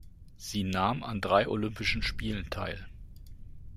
Sie nahm an drei Olympischen Spielen teil.